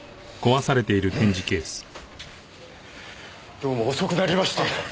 どうも遅くなりまして。